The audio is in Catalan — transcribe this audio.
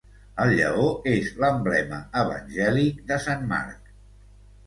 El lleó és l'emblema evangèlic de sant Marc.